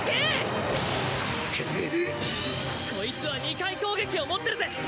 こいつは２回攻撃を持ってるぜ！